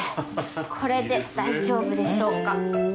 これで大丈夫でしょうか？